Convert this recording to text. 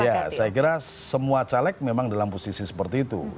ya saya kira semua caleg memang dalam posisi seperti itu